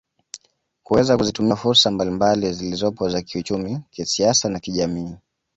Kuweza kuzitumia fursa mbalimbali zilizopo za kiuchumi kisiasa na kijamii